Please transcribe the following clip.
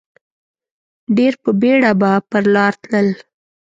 ډېر په بېړه به پر لار تلل.